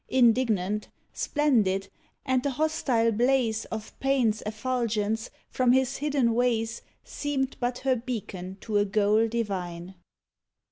Indignant, splendid, and the hostile blaze Of Pain's effulgence from his hidden ways Seemed but her beacon to a goal divine.